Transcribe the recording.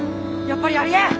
やっぱりありえん！